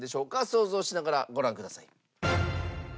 想像しながらご覧ください。